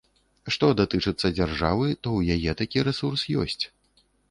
Што датычыцца дзяржавы, то ў яе такі рэсурс ёсць.